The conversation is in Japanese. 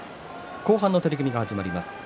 後半の相撲が始まります。